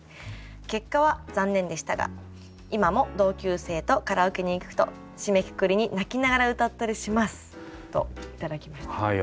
結果は残念でしたが今も同級生とカラオケに行くと締めくくりに泣きながら歌ったりします」と頂きました。